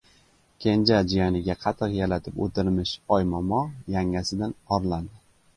Kenja jiyaniga qatiq yalatib o‘tirmish Oymomo yangasidan orlandi.